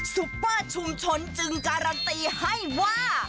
ซุปเปอร์ชุมชนจึงการันตีให้ว่า